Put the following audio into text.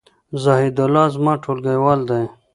زاهیدالله زما ټولګیوال دی